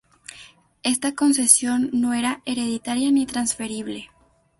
Esta concesión no era hereditaria ni transferible.